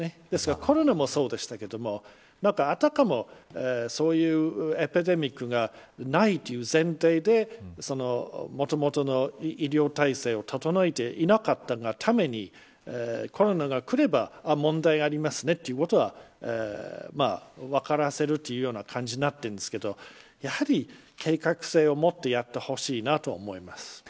ですからコロナもそうでしたがあたかもそういうエピデミックがないという前提でもともとの医療体制を整えていなかったがためにコロナがくれば問題ありますねということは分からせるというような感じになっているんですけどやはり、計画性をもってやってほしいと思います。